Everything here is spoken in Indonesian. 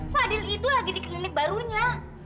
fadil itu lagi di klinik barunya